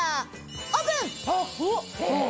オープン！え！